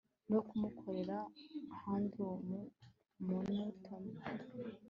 no kumukorera humdrum monotony